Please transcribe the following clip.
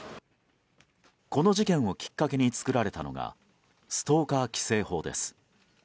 この事件をきっかけに作られたのがストーカー規制法です。